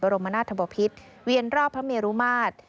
รมนาธบพิษเวียนรอบพระเมรุมาตร